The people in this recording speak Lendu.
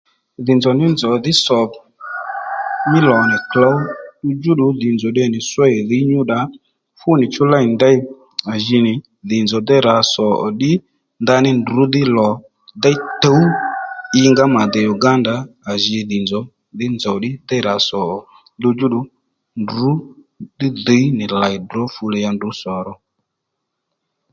Dhì nzòw ní nzòw dhí sòmù mí lò nì klǒw djúddù dhì nzòw tde nì ssêy dhǐy nyúddà ó fú nì chú ley nì ndèy à ji nì dhì nzòw déy rǎ sò ò ddí ndaní ndrǔdhí lò déy tǔw ingá mà dè Uganda ó à jǐ dhì nzòw ní nzòw ddí dey rǎ sòmu ò ddu djú ddù ndrǔ dhí dhǐy nì lèy ddrǒ fulè ya ndrǔ sò ro